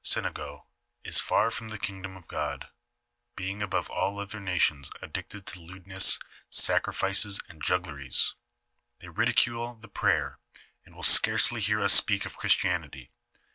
x "The nation of the Outaoimlcs Sinngaux is far from the kingdom of God, being above all other nations addicted to lewdness, sacrificeB, and juggleries. They ridicule the prayer, and will scarcely hear us speak of Christianity.